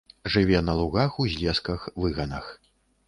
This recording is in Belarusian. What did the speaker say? Жыве на лугах, узлесках, выганах.